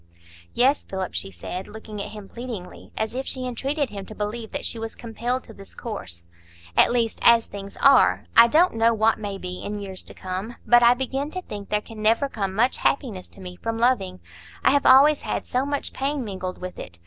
"Yes, Philip," she said, looking at him pleadingly, as if she entreated him to believe that she was compelled to this course. "At least, as things are; I don't know what may be in years to come. But I begin to think there can never come much happiness to me from loving; I have always had so much pain mingled with it.